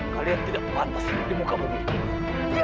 kalian tidak pandas ini bukan mobil